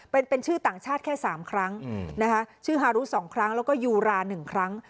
เป็นชื่อต่างชาติแค่๓ครั้งนะคะชื่อฮารุ๒ครั้งแล้วก็ยูรา๑ครั้ง